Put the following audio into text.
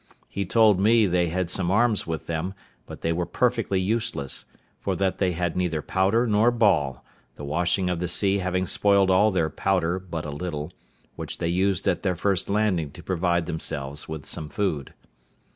He told me they had some arms with them, but they were perfectly useless, for that they had neither powder nor ball, the washing of the sea having spoiled all their powder but a little, which they used at their first landing to provide themselves with some food.